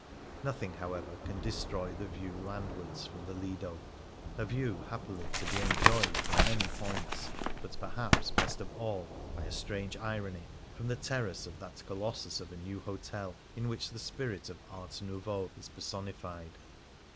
Nothing, how ever, can destroy the view landwards from the Lido — a view, happily, to be enjoyed, from many points, but perhaps best of all (by a strange irony) from the terrace of that colossus of a new hotel in which the spirit of A7^t Nouveau is personified.